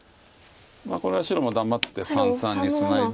これは白も黙って三々にツナいで。